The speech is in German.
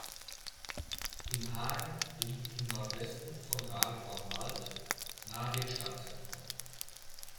Im Hagen liegt im Nordwesten von Radevormwald nahe dem Stadtzentrum.